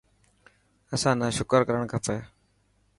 اسان نا شڪر ڪرڻ کپي.